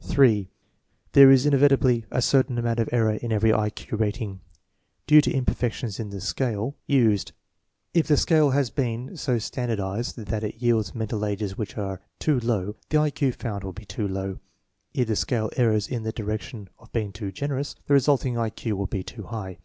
(3) There is inevitably a certain amount of error in every I Q rating, due to imperfections in the scale 10 INTELLIGENCE OF SCHOOL CHILDREN used. If the scale has been so standardized that it yields mental ages which are too low, the I Q found will be too low; if the scale errs in the direction of being too generous, the resulting I Q will be too high.